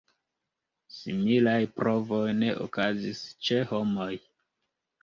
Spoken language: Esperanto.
Similaj provoj ne okazis ĉe homoj.